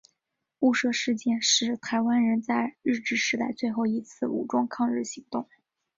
雾社事件是台湾人在日治时代最后一次武装抗日行动。